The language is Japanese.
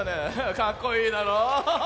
かっこいいだろ。